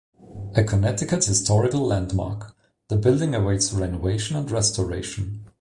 A Connecticut Historical Landmark, the building awaits renovation and restoration.